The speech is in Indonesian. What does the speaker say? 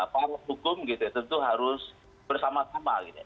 para hukum tentu harus bersama sama